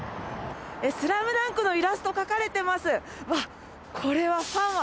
スラムダンクのイラスト、描かれてます。